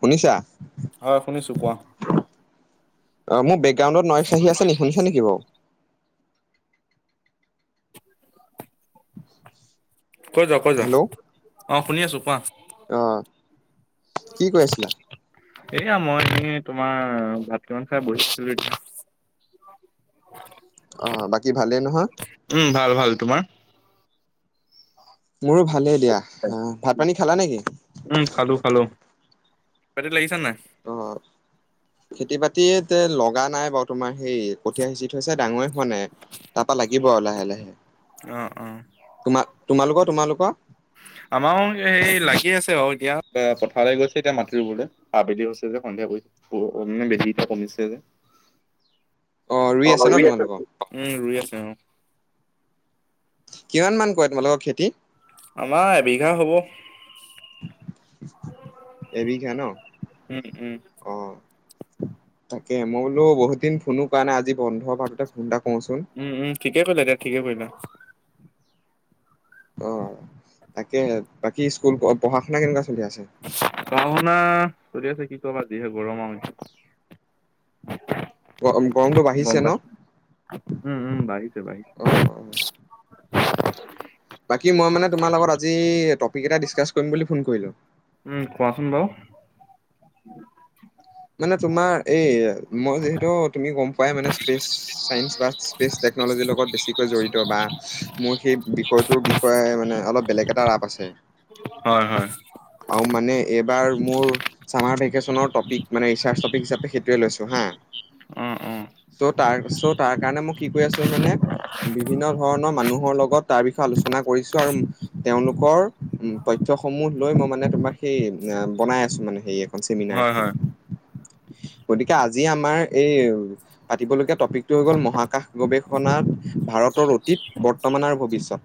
শুনিছা? হয় শুনিছো কোৱা। অ মোৰ বেকগ্ৰাউণ্ডত ন চাহী আছে নে শুনি নেকি বাৰু? [inaudible] কৈ যোৱা কৈ যোৱা অ শুনি আছো কোৱা। আহ কি কৈ আছিলা? এয়া মই এনে তোমাৰ ভাত কেইমান খাই বহিছিলো এতিয়া। [inaudible] অঁ বাকী ভালেই নহয় উম ভাল ভাল তোমাৰ মোৰো ভালেই দিয়া আহ ভাত পানী খালা নেকি পতি লাগিছ নাই অঁ খেতি বাতি লগা নাই বাৰু তোমাৰ সেই কঠীয়া সিঁচি থৈছে ডাঙৰে হোৱা নাই তাৰপৰা লাগিব আৰু লাহে লাহে অ অ তোমাৰ তোমালোকৰ তোমালোক আমাৰ সেই লাগি আছে বাৰু এতিয়া পথাৰ গৈছে এতিয়া মাটি ৰুবলে আবেলি হৈছে যে সন্ধিয়া কৰিনে বেছিটা কমিছে যে [unintelligible] অ ৰুই অঁ ন ই আছে তোমালোকৰ উম ৰুই আছে অঁ কিমান মান কৰে তোমালোকৰ খেতি আমাৰ এবিঘা হব। এবিঘা নহ উম উম তাকে মই বোলো বহুত দিন ফোনো কৰা নাই আজি বন্ধ পাওতে ফোন এটা কৰোচোন উম উম ঠিকেই কৰিলো তেতিয়া ঠিকেই কৰিলা। অঁ তাকে বাকী স্কুল পঢ়া শুনা কেনেকুৱা চলি আছে পঢ়া শুনা চলি আছে কি কবা যিহে গৰম আৰু গৰমটো গম বাঢ়িছে ন পাইছো উম উম বাঢ়িছে বাঢ়িছে অ অ বাকী মই মানে তোমাৰ লগত আজি টপিক এটা ডিছকাছ কৰিম বুলি ফোন কৰিলোঁ। উ কোৱাচোন বাৰু মানে তোমাৰ এই মই যিহেতু তুমি গম পোৱাই মানে স্পেচ ছাইন্স বা স্পেচ টেকন'লজিৰ লগত বেছিকৈ জড়িত বা মোৰ সেই বিষয়টোৰ বিষয়ে মানে অলপ বেলেগ এটা ৰাপ আছে। হয় হয় আৰু মানে এইবাৰ মোৰ চাৰ ভেকেচনৰ টপিক মান ৰিচাৰ টপিক হিচাপে সেইটোৱেই লৈছো হাঁ অঁ অঁ তাৰ পিছত তাৰ কাৰণে মই কি কৈ আছিলো মানে বিভিন্ন ধৰণৰ মানুহৰ লগত তাৰ বিষয়ে আলোচনা কৰি কৰিছো আৰু তেওঁলোকৰ তথ্য সমূহ লৈ মই মানে তোমাক সেই বনাই আছো মানে সেই এখন চেমিনাৰ হয়, এখন হয়, গতিকে আজি আমাৰ এই পাতিবলগীয়া টপিকটো হৈ গ'ল মহাকাশ গৱেষণা গৱেষণাৰ ভাৰতৰ অতীত বৰ্তমানৰ ভৱিষ্যত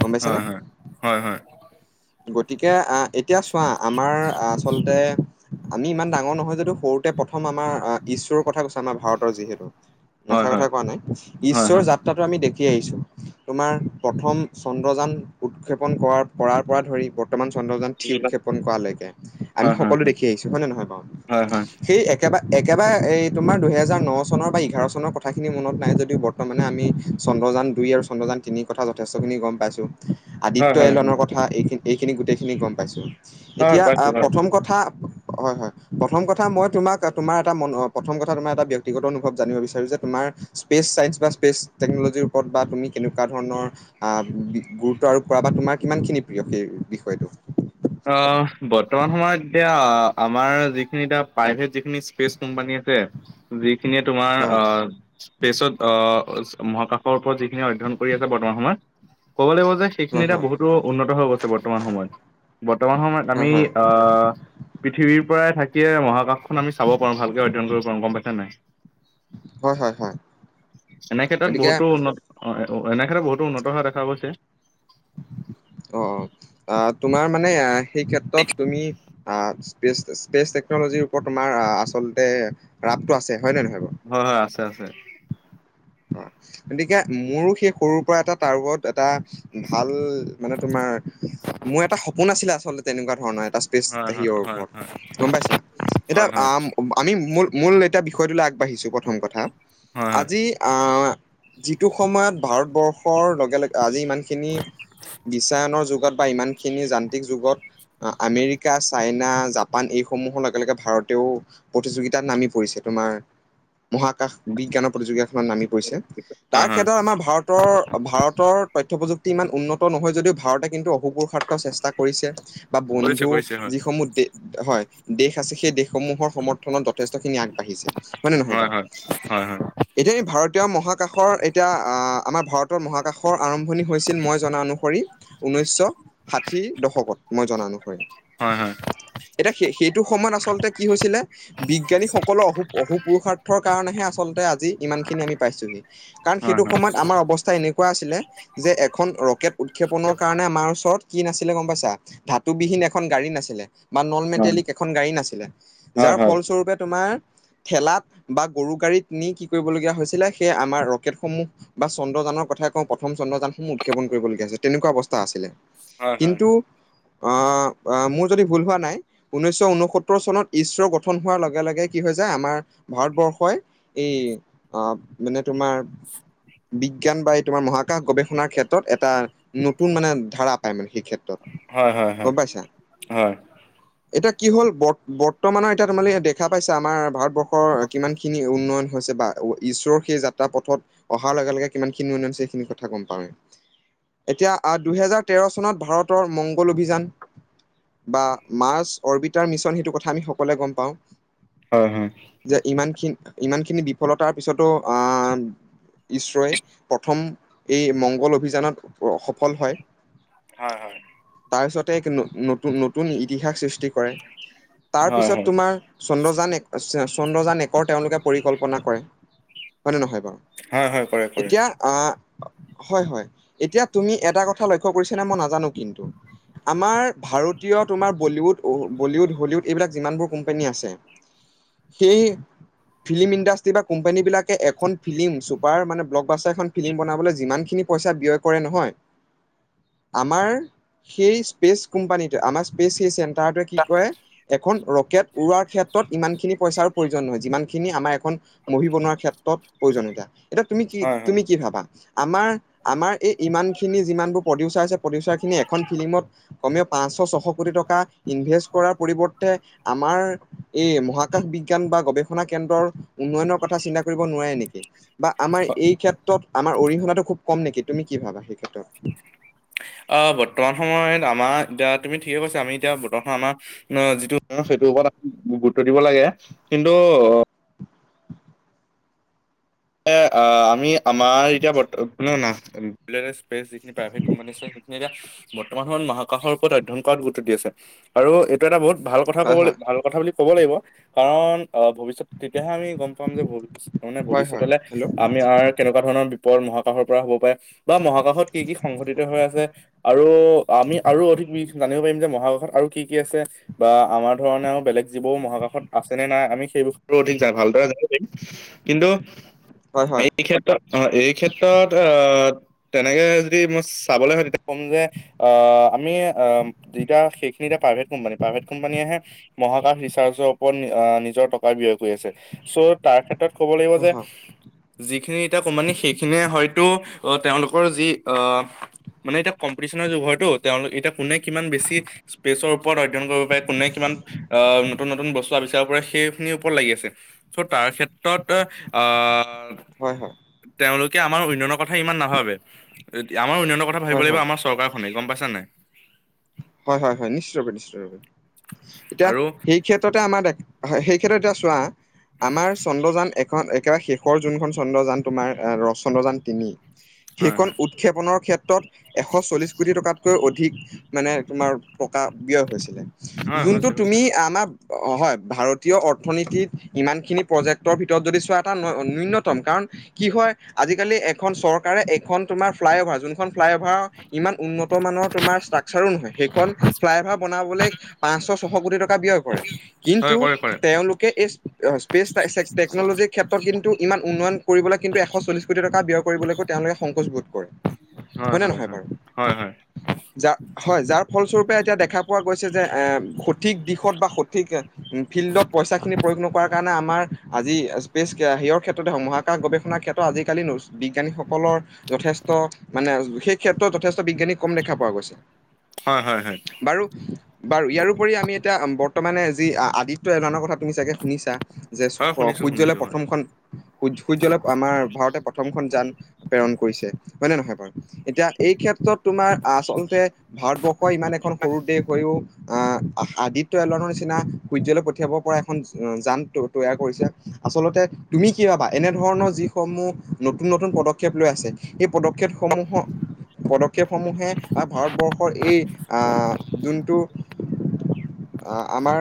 গম হয়, পাইছেনে হয়, হয়, হয়, এতিয়া চোৱা আমাৰ আচলতে আমি ইমান ডাঙৰ নহয় যদিটো সৰুতে প্ৰথম আমাৰ ঈছ্বৰৰ কথা কৈছে আমাৰ ভাৰতৰ যিহেতু নাচা হয়, হয়। কথা কোৱা নাই হয়, হয়, হয়, ঈশ্বৰ হয়, যাত্ৰাটো আমি দেখিছো ঠি আহিছোঁ তোমাৰ প্ৰথম চন্দ্ৰযান উৎক্ষেপণ কৰাৰ কৰাৰ পৰা ধৰি বৰ্তমান চন্দ্ৰযান থ্ৰী উৎক্ষেপন কৰালৈকে আমি হয়, হয়, সকলো দেখি আহিছো হয় নে নহয় বাৰু হয়, হয়, সেই একেবাৰে একেবাৰে এই তোমাৰ দুহেজাৰ ন চনৰ বা এঘাৰ চনৰ কথাখিনি মনত নাই যদিও বৰ্তমানে আমি চ ন্দ্ৰযান দুই আৰু চন্দ্ৰযান তিনি কথা যথেষ্টখিনি গম পাইছোঁ আদিত্যয় হয়, হয়, এলানৰ কথা এইন এইখিনি গোটেইখিনি গম পাইছোঁ হয় এতিয়া পাইছো আহ হয়। প্ৰথম কথা হয় হয় প্ৰথম কথা মই তোমাক তোমাৰ এটা ম প্ৰথম কথা তমাৰ এটা ব্যক্তিগত অনুভৱ জানিব বিচাৰো যে তোমাৰ ইচ্ পেচ্ চাইন্ টেকনলজিৰ ওপৰত বা তুমি কেনেকুৱা ধৰণৰ অ গুৰুত্ব আৰোপ পৰা বা তোমাৰ কিমানখিনি প্ৰিয় সেই বিষয়টো অ বৰ্তমান সময়ত এতিয়া আমাৰ যিখিনি এতি প্ৰাইভেট যিখিনি স্পেচ কোম্পানী আছে যিখিনিয়ে তোমাৰ হয় আহ স্পেচত আহ মহাকাশৰ ওপৰত যিখিনি অধ্যয়ন কৰি আছে ব বৰ্তমান সময়ত ক'ব লাগিব যে সেইখিনি হয় এটা হয় বহুতো উন্নত হৈ গৈছে বৰ্তমান সময়ত বৰ্তমান সময়ত হয় আমি হয় অ পৃথিৱীৰ পৰাই থাকিয়ে মহাকাশখন আমি চাব পাৰো ভালকে অধ্যয়ন কৰিব পাৰো গম পাইছে নাই হয় হয় হয় এনে ক্ষেত্ৰত গতিকে বহুতো উন্নত অ এনে ক্ষেত্ৰত বহুতো উন্নত হোৱা দেখা গৈছে অ আহ তোমাৰ মানে আহ সেই ক্ষেত্ৰত তুমি আ স্পেচ স্পেচ টেকন'ল'জিৰ ওপৰত তোমাৰ আচলতে ৰাপটো আছে হয় নে নহয় হয় হয় আছে আছে হয় গতিকে মোৰো সেই সৰুৰ পৰা এটা তাৰ ওৰত এটা ভাল মানে তোমাৰ মোৰ এটা সপোন আছিলে আচলতে তেনেকুৱা ধৰণৰ এটা স্পেচ হয় হয় সৰ হয় ওপৰত গম পাইছা এতিয়া হয় হয় আমি ম মূল এতিয়া বিষয়টোলৈ আগবাঢ়িছো প্ৰথম কথা হয় হয়। আজি অ যিটো সময়ত ভাৰতবৰ্ষৰ লগ আজি ইমান খিনি বিচায়নৰ যো বা ইমানখিনি যান্ত্ৰিক যুগত আমেৰিকা চাইনা জাপান এইসমূহৰ লগে লগে ভাৰত তেওঁ প্ৰতিযোগিতাত নামি পৰিছে তোমাৰ মহাকাশ বিজ্ঞানৰ প্ৰতিযোগিতাখনত নামি পৰিছে হয় তাৰ হয় ক্ষেত্ৰত আমাৰ ভাৰতৰ ভাৰতৰ তথ্য প্ৰযুক্তি ইমান উন্নত নহয় যদিও ভাৰতে কিন্তু অশুপূ চেষ্টা কৰিছে বা কৰিছে বন্ধু কৰিছে হয় যিসমূহ দেশ হয় দেশ আছে সেইসমূহ সমূহৰ সমৰ্থনত যথেষ্টখিনি আগবাঢ়িছে হয় নে নহয় বাও হয় ভাৰতীয় মহাকাশৰ এতিয়া আমাৰ ভাৰতৰ মহাকাশৰ আৰম্ভণি হৈছিল মই জনা অনু সৰি ঊনৈছশ ষাঠি দশকত মই জনা অনুসৰি হয় হয় হয় এতিয়া সেই সেইটো সময়ত আচলতে কি হৈছিলে বিজ্ঞানীসকলৰ অহু অহু পুৰুষাৰ্থৰ কাৰণেহে আচলতে ইমান খিনি আমি পাইছোহি কাৰণ হয় সেইটো হয়। সময়ত আমাৰ অৱস্থা এনেকোৱা আছিলে যে এখন ৰকেট উৎক্ষেপনৰ কাৰণে আমাৰ ওচৰত কি নাছিলে গম পাইছা ধাতুবিহীন এখন গাড়ী নাছিলে বা নল মেটেলিক এখন গাড়ী নাছিলে হয় যাৰ হয়। ফলস্বৰূপে তোমাৰ ঠেলাত বা গৰু গাড়ীত নি কি কৰিবলগীয়া হৈছিলে সেই আমাৰ ৰকেটসমূহ বা চন্দ্ৰযানৰ কথাাই কওঁ প্ৰথম চন্দ্ৰযানসমূহ উৎক্ষেপন কৰিবলগীয়া হৈছিল তেনেকোৱা অৱস্থা আছিলে হয় হয় হয় কিন্তু অ মোৰ যদি ভুল হোৱা নাই ঊনৈশ ঊনসত্তৰ চনত ইছৰ গঠন হোৱাৰ লগে লগে কি হৈ যায় আমাৰ ভাৰতবৰ্ষই এই আহ মানে তোমাৰ বিজ্ঞান বা এই তোমাৰ মহাকাশ গৱেষণাৰ ক্ষেত্ৰত এটা নতুন মানে ধাৰা পায় মানে সেই ক্ষেত্ৰত হয় হয় হয় গম পাইছা। হয় এতিয়া কি হ'ল বৰ বৰ্তমানৰ এতিয়া তোমালোকে দেখা পাইছে আমাৰ ভাৰতবৰ্ষৰ কিমানখিনি উন্নয়ন হৈছে বা ঈশ্বৰৰ সেই যাত্ৰা পথত অহাৰ লগে লগে কিমানখিনি উন্নয়ন হৈছে সেইখিনি কথা গম পাওৱে এতিয়া দুহেজাৰ তেৰ চনত ভাৰতৰ মংগল অভিযান বা মাছ অৰ্বিটাৰ মিছন সেইটো কথা আমি সকলোৱে গম পাওঁ হয় যে ইমানখিনি ইমানখিনি বিফলতাৰ পিছতো আহ ইছৰই প্ৰথম এই মংগল অভিযানত সফল হয় হয় হয় তাৰ পিছতে এক নতুন নতুন ইতিহাস সৃষ্টি তাৰ হয় হয় পিছত তোমাৰ চন্দ্ৰযান চন্দ্ৰযান একৰ তেওঁলোকে পৰিকল্প কৰে হয়নে নহয় বাৰু হয় হয় কৰে কৰে এতিয়া হয় হয় এতিয়া তুমি এটা কথা লক্ষ্য কৰিছ নে মই নাজানো কিন্তু আমাৰ ভাৰতীয় তোমাৰ বলীউড বলীউড হলিউড এইবিলাক যিমানবোৰ কোম্পানী আছে সেই ফিল্ম ইণ্ডাষ্ট বা কোম্পানীবিলে এখন ফিল্ম চুপাৰ মানে ব্লক বাাছ এখন ফিল্ম বনাবলৈ যিমানখিনি পইচা ব্যয় কৰে নহয় আমাৰ সেই স্পেচ কোম্পানীটো আমাৰ স্পেচ সেই চেণ্ট- টাৰ টোৱে কি কৰে এখন ৰ- কেট উৰৱোৱাৰ ক্ষেত্ৰত ইমানখিনি পইচাৰ প্ৰয়োজন নহয় যিমানখিনি আমাৰ এখন। মহি বনোৱাৰ ক্ষেত্ৰত প্ৰয়োজনীয়তা এতিয়া তুমি কি হয় তুমি হয় কি ভাবা আমাৰ আমাৰ এই ইমানখিনি যিমানবোৰ প্ৰডিউচাৰ আছে প্ৰডিউচাৰখিনি এখন ফিল্মত কমেও পাঁচ পাঁচ ছশ কোটি টকা ইনভেষ্ট কৰাৰ পৰিৱৰ্তে আমাৰ এই মহাকাশ বিজ্ঞান বা গৱেষণা কেন্দ্ৰৰ উন্নয়নৰ কথা চিন্তা কৰিব নোৱাৰে এনেকি বা আমাৰ এই ক্ষেত্ৰত আমাৰ অৰিহণাটো খুব কম নেকি তুমি কি ভাবা সেই ক্ষেত্ৰত। অ বৰ্তমান সময়ত আমাৰ এতিয়া তুমি ঠিকে কৈছা আমি এতিয়া বৰ্তমান আমাৰ অ যিটো। সেইটোৰ ওপৰত গুৰুত্ব দিব লাগে কিন্তু। এ আমি আমাৰ এতিয়া বৰ্ত শুনা না। যিখিন প্ৰাইভেট কোম্পানী আছে সখিনি এতি বৰ্তমান সমৰত মহাকশৰ ওপৰত অধ্যয়ন কৰাত গুৰুত্ব দি আছে। আৰু এইটো এটা বহুত ভাল কথা কব হয় হয় ল ভাল কথা বুলি ক'ব লাগিব কাৰণ। অ ভৱিষ্যত তেতিয়াহে আমি গম পাম যে ভ মানে হয় হয় ভৱিষ্যতলে হেল্ল' আমি কেনেকুৱা ধৰণৰ। পৰ মহাকশৰ পৰা হ'ব পাৰে। বা মহাকাশত কি কি সংঘটিত হৈ আছে আৰু আমি আৰু অধিক জানিব পাৰিম যে। মহাকাশত আৰু কি কি আছে বা আমাৰ ধৰণে আৰু বেলেগ যিবোৰ মহাকাশত আছেনে নাই আমি সেইবোৰতো অধিন ভালদৰে [unintelligible] কিন্তু। হয় হয় এই ক্ষেত্ৰত অ এই ক্ষেত্ৰত অ। তেনেকে যদি মই চাবলৈ হয় তেতিয়া ক'ম যে অ আমি অ দোইটা সেইখ- দুইটা প্ৰাইভেট কোম্পানী প্ৰাইভেট কোম্পানীয়েহে মহাকাশ ৰিচাৰ্চৰ ওপৰত নিজৰ টকা ব্যয় কৰি আছে। চ' তাৰ ক্ষেত্ৰত ক'ব লাগিব হয় যে। হয় যিখিনি এতিয়া কোমানি সেইখিনিয়ে হয়তো তেওঁলোকৰ যি আহ মানে এতিয়া কম্পিটিচনৰ যুগ হয়তো তেওঁলোক এতিয়া কোনে কিমান বেছি স্পেচৰ ওপৰত অধ্যয়ন কৰিব পাৰে কোনে কিমান নতুন নতুন বস্তু আবিষ্কাৰ কৰে সেইখিনিৰ ওপৰত লাগি আছে চ' তাৰ ক্ষেত্ৰত আ হয় হয় তেওঁলোকে আমাৰ উন্নয়নৰ কথা ইমান নাভাবে আমাৰ উন্নয়নৰ কথা ভাবিব হয় লাগিব হয় আমাৰ চৰকাৰখনে গম পাইছা নাই। হয় হয় হয় নিশ্চয় ৰপে নিশ্চয়পে এতিয়া আৰু সেই ক্ষেত্ৰতে আমাৰ দে হয় সেই ক্ষেত্ৰত এতিয়া চোৱা আমাৰ চন্দ্ৰযান এখন একেবাৰে শেষৰ যোনখন চন্দ্ৰযান তোমাৰ ৰস চন্দ্ৰযান তিনি। হয় সেইখন হয় উৎক্ষেপনৰ ক্ষেত্ৰত এশ চল্লিশ কোটি টকাতকৈ অধিক মানে তোমাৰ টকা ব্যয় হৈছিলে হয় যোনটো হৈছে হৈছে তুমি হয় আমাৰ অ হয় ভাৰতীয় অৰ্থনীতিত ইমানখিনি প্ৰজেক্টৰ ভিতৰত যদি চোৱা এটা ন্যূনতম কাৰণ কি হয় আজিকালি এখন চৰকাৰে এখন তোমাৰ ফ্লাই অভাৰ যোনখন ফ্লাই অভাৰ ইমান উন্নত মানৰ তোমাৰ চাৰি নহয় সেইখন ফ্লাই অভাৰ বনাবলৈ পাঁচশ ছশ কোটি টকা ব্যয় কৰে। হয় কিন্তু কৰে কৰে তেওঁলোকে এই স্পেচ টেকনলজিৰ ক্ষেত্ৰত কিন্তু ইমান উন্নয়ন কৰিবলৈ কিন্তু এশ চল্লিশ কোটি টকা ব্যয় কৰিবলৈকো তেওঁলোকে সংকোচ বোধ কৰে। হয় নে নহয় বাৰু যা। হয় যাৰ ফলস্বৰূপে এতিয়া দেখা পোৱা গৈছে যে এ সঠিক দিশত বা সঠিক ফিল্ডত পইচাখিনি প্ৰয়োগ নকৰাৰ কাৰণে আম আমাৰ আজি স্পেচ সেয়ৰ ক্ষেত্ৰতে হ মহাকাশ গৱেষণাৰ ক্ষেত্ৰত আজিকালি বিজ্ঞানীসকলৰ। যথেষ্ট মানে সেই ক্ষেত্ৰত যথেষ্ট বিজ্ঞানী কম দেখা পোৱা গৈছে। হয় হয় হয় বাৰু বাৰু ইয়াৰপৰি আমি এটা বত- বৰ্তমানে যি আদিত্য [unintelligible] তুমি চাগে শুনিছা যে হয় শুনিছো সূৰ্যলে শুনিছো হয় প্ৰথমখন সূৰ্যলৈ আমাৰ ভাৰতৰ প্ৰথম কোনখন যান প্ৰেৰণ কৰিছে হয় নে নহয় বাৰু এতিয়া এই ক্ষেত্ৰত তোমাৰ আচলতে ভাৰতবৰ্ষ ইমান এখন সৰু দেশ হৈও। অহ আদিত্য এলৱানৰ নিচিনা সূৰ্যলৈ পঠিয়াব পৰা এখন যান তৈয়াৰ কৰিছে? আচলতে তুমি কি ভাবা এনেধৰণৰ যিসমূহ নতুন নতুন পদক্ষেপ লৈ আছে সেই। পদক্ষেপসমূহক পদক্ষেপসমূহে ভাৰতবৰ্ষ। এই আ যোনটো আমাৰ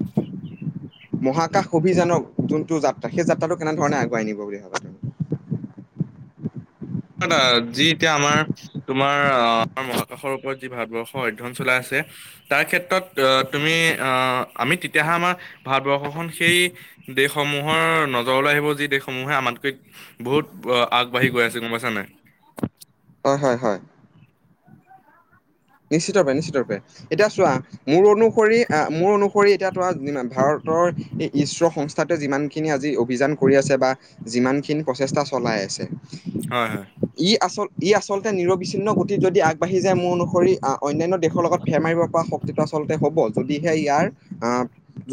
[inaudible] মহাকাশ অভিযানৰ যোনটো যাত্ৰা সেই যাত্ৰাটো কেনেধৰণে আগুৱাই নিবগে? [inaudible] যি এতিয়া আমাৰ তোমাৰ অ আমাৰ মহাকাশৰ ওপৰত যি ভাৰতবৰ্ষৰ অধ্যয়ন চলাই আছে তাৰ ক্ষেত্ৰত তুমি অহ আমি তেতিয়াহে আমাৰ ভাৰতবৰ্ষখন সেই দেশসমূহৰ নজৰ লৈ আহিব- যি দেশসমূহে আমাতকৈ বহুত আগবাঢ়ি গৈ আছে গম পাইছা নাই? হয় হয় হয় নিশ্চিতৰূপে নিশ্চিতৰূপে এতিয়া চোৱা মোৰ অনুসৰি মোৰ অনুসৰি এতিয়া ভাৰত ভাৰতৰ এই ইছৰ সংস্থাটোৱে যিমানখিনি আজি অভিযান কৰি আছে বা যিমানখিনি প্ৰচেষ্টা চলাই আছে হয় হয় ই আচল ই আচলতে নিৰবিচ্ছিন্ন গতিত যদি আগবাঢ়ি যায় মোৰ অনুসৰি অন্যান্য দেশৰ লগত ফে মাৰিব পৰা শক্তিটো আচলতে হ'ব। যদিহে ইয়াৰ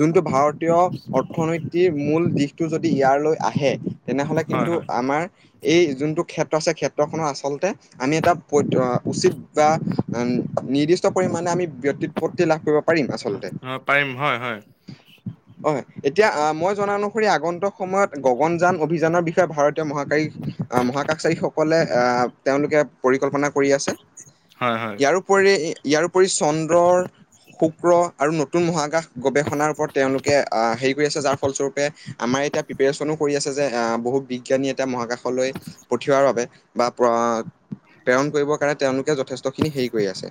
যোনটো ভাৰত তীয় অৰ্থনীতিৰ মূল দিশটো যদি ইয়ালৈ আহে তেনেহলে হয় কিন্তু হয় আমাৰ এই যোনটো ক্ষেত্ৰ আছে ক্ষেত্ৰখননৰ আচলতে আমি এটা উচিত বা উ নিৰ্দিষ্ট পৰিমাণে আমি ত লাভ কৰিব পাৰিম আচলতে অ পাৰিম হয় হয় হয়। এতিয়া আহ মই জনা অনুসৰি আগন্তুক সময়ত গ পন যান অভিযানৰ বিষয়ে ভাৰতীয় মহাকাৰী মহাকাশচাৰীসকলে- আহ তেওঁলোকে পৰিকল্পনা কৰি আছে। হয়, হয়। ইয়াৰোপৰি- পৰি চন্দ্ৰৰ শুক্ৰ আৰু নতুন মহাকাশ গৱেষণাৰ ওপৰত তেওঁলোকে আহ হেই কৰি আছে যাৰ ফলস্বৰূপে আমাৰ এতিয়া প্ৰিপেচনো কৰি আছে যে অ বহুত বিজ্ঞানী এতিয়া মহাকাশলৈ পথিয়াৰ বাবে বা প্ৰেৰণ কৰিব কাৰণে তেওঁলোকে য খ হেৰি কৰি আছে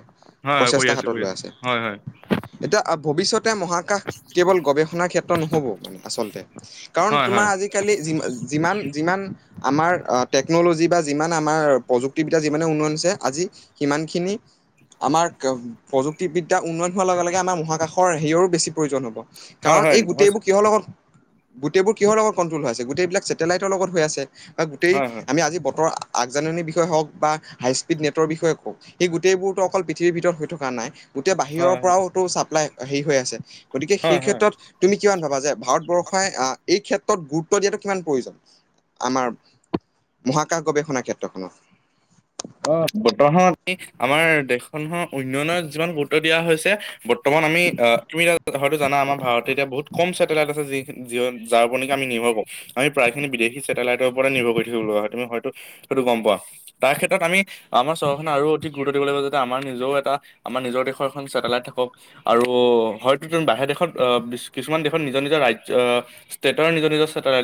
হয়, হয় কৰি প্ৰচেষ্টা আছোঁ, হাতত কৰি লৈ আছোঁ। আছে হয়, হয়। এতিয়া ভৱিষ্যত তাতে মহাকাশ কেৱল গৱেষণা ক্ষেত্ৰ নহ'ব মানে আচলতে কাৰণ হয়, তোমাৰ হয়। আজিকালি যিমান- যিমান, যিমান আমাৰ টেকন'লজি বা যিমান আমাৰ প্ৰযুক্তিবিদ্যা যিমানে উন্নয়ন হৈছে আজি সিমানখিনি আমাৰ প্ৰযুক্তিবিদ্যা উন্নয়ন হোৱাৰ লগে লগে আমাৰ মহাকাশৰ হেয়ৰো বেছি প্ৰয়োজন হ'ব হয়, কাৰণ হয়। এই হৈছে। গোটেইবোৰ কিহৰ লগত গোটেইবোৰ কিহৰ লগত কণ্ট্ৰল হৈ আছে গোটেইবিলাক ছেটেলাইটৰ লগত হৈ আছে বা গোটেই হয়, হয়। আমি আজি বতৰ আগজাননীৰ বিষয়ে হওক বা হাই স্পীড নেটৰ বিষয়ে হওক সেই গোটেইবোৰতো অকল পৃথিৱীৰ ভিতৰত হৈ থকা নাই গোটেই হয়, বাহিৰৰ হয়। পৰাওতো ছাপ্লাই হেৰি হৈ আছে। গতিকে সেই হয়, হয়। ক্ষেত্ৰত তুমি কিমান ভাবা যে ভাৰতবৰ্ষ ই আহ এই ক্ষেত্ৰত গুৰুত্ব দিয়াটো কিমান প্ৰয়োজন আমাৰ মহাকাশ গৱেষণা ক্ষেত্ৰখনত? অ বৰ্তমান সময়ত আমাৰ দেশখননৰ উন্নয়ন‌ত যিমান গুৰুত্ব দিয়া হৈছে বৰ্তমান আমি তুমি- হয়তো জানা আমাৰ ভাৰতে এতিয়া বহুত কম ছেটেলাইট আছে যি যাৰ উপৰত নকি আমি নিৰ্ভৰ কৰো। আমি প্ৰাই খিনি ছেটেলাইটৰ ওপৰতে নিৰ্ভৰ কৰি থাকিব লগা হয় তুমি হয়টো সেইটো গম পোৱা তাৰ- তাত আমি আমাৰ চহৰখনে আৰু অধিক গুৰুত্ব দিব লাগিব যাতে আমাৰ নিজও এটা আমাৰ নিজৰ দেশৰ এখন ছেটেলাইট থাকক, আৰু হয়তো বাহিৰ দেশত আহ কিছুমান দেশত নিজৰ নিজৰ ৰাজ্য ষ্টেটৰ নিজৰ নিজৰ